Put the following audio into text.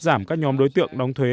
giảm các nhóm đối tượng đóng thuế